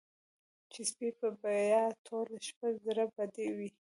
چې سپۍ به بیا ټوله شپه زړه بدې وي.